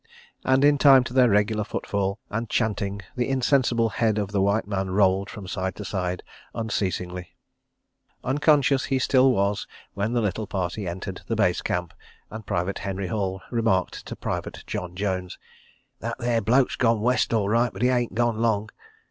And, in time to their regular foot fall and chanting, the insensible head of the white man rolled from side to side unceasingly. ... Unconscious he still was when the little party entered the Base Camp, and Private Henry Hall remarked to Private John Jones: "That there bloke's gone West all right but 'e ain't gone long.